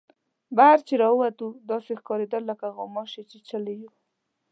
بهر چې را ووتو داسې ښکارېدل لکه غوماشې چیچلي یو.